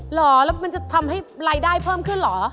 เหรอแล้วมันจะทำให้รายได้เพิ่มขึ้นเหรอ